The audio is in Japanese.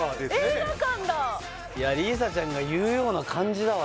映画館だ里依紗ちゃんが言うような感じだわ